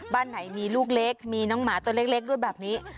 บ้านไหนมีลูกเล็กมีน้องหมาตัวเล็กด้วยแบบนี้